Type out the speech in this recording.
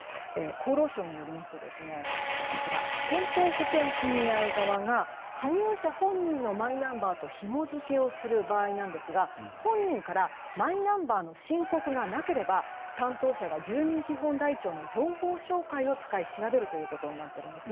厚労省によりますと健康保険組合側が加入者本人のマイナンバーとひもづけをする場合ですが本人からマイナンバーの申告がなければ担当者が住民基本台帳の情報照会を使い調べるということになっているんです。